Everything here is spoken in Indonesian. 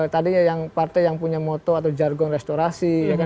tadi yang partai yang punya moto atau jargon restorasi